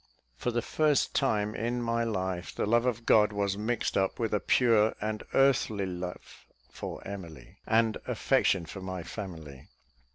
For the first time in my life, the love of God was mixed up with a pure and earthly love for Emily, and affection for my family.